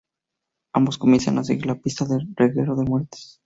Ambos comienzan a seguir la pista del reguero de muertes.